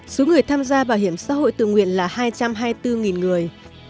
số người tham gia bảo hiểm xã hội tự nguyện là hai trăm hai mươi bốn người